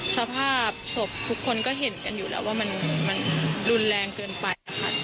สภาพศพทุกคนก็เห็นกันอยู่แล้วว่ามันรุนแรงเกินไปค่ะ